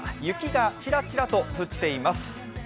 雪がちらちらと降っています。